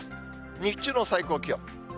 日中の最高気温。